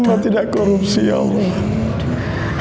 karena tidak korupsi ya allah